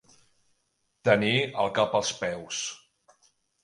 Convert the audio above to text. Tenir el cap als peus.